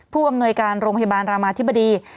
ผู้อำนวยการโรงพยาบาลรามาธิบดี